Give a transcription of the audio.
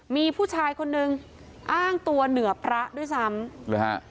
มีผู้ชายคนนึงอ้างตัวเหนือพระด้วยซ้ำหรือฮะ